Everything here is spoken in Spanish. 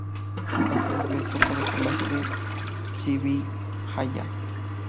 Esto desvió el flujo de comercio de Srivijaya.